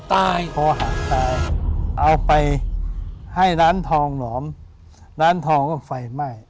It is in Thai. คอหักตายเอาไปให้ร้านทองหลอมร้านทองก็ไฟไหม้